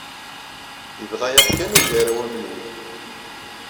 Yebḍa-aɣ kan Ugaraw Amelwi.